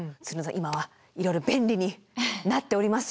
今はいろいろ便利になっております。